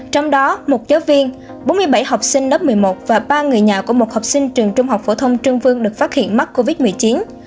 trong đó một giáo viên bốn mươi bảy học sinh lớp một mươi một và ba người nhà của một học sinh trường trung học phổ thông trương vương được phát triển